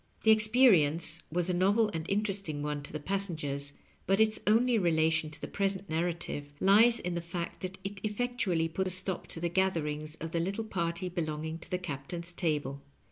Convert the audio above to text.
The experience was a novel and interesting one to the passengers, bnt its only relation to the present narrative lies in the fact that it effectually pat a stop to the gatherings of the little party belonging to the Captain's table.